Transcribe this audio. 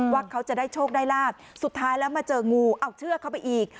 ว่าเขาจะได้โชคได้ลาบสุดท้ายแล้วมาเจองูเอาเชือกเข้าไปอีก